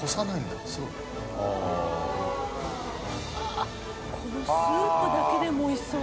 あっこのスープだけでもおいしそう。